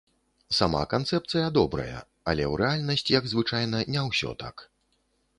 Сама канцэпцыя добрая, але ў рэальнасць як звычайна не ўсё так.